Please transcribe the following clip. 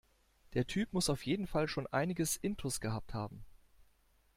Der Typ muss auf jeden Fall schon einiges intus gehabt haben.